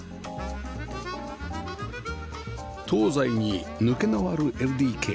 東西に抜けのある ＬＤＫ